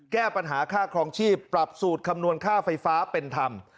แก้ปัญหาค่าครองชีพปรับสูตรคำนวณค่าไฟฟ้าเป็นธรรม